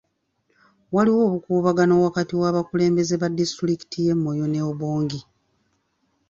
Waliwo obukuubagano wakati w'abakulembeze ba disitulikiti y'e Moyo me Obongi.